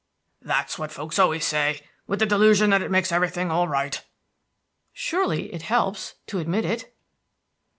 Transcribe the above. "That's what folks always say, with the delusion that it makes everything all right." "Surely it help, to admit it."